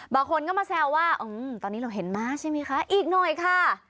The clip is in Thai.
บางคนก็มาแซวว่าตอนนี้เราเห็นม้าใช่ไหมคะอีกหน่อยค่ะ